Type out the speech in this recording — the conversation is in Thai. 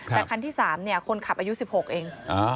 แต่คันที่๓คนขับอายุ๑๖เอง